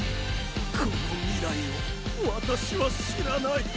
この未来を私は知らない！